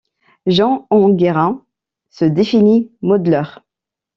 Jean Anguera se définit modeleur.